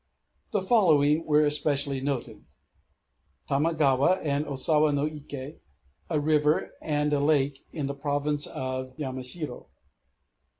The following were especially noted: Tamagawa and Ōsawa no Iké, a river and a lake in the province of Yamashiro.